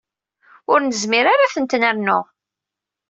Ur nezmir ara ad ten-nernu.